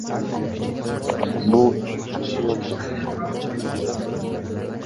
bu eng yaxshi yo‘ldir.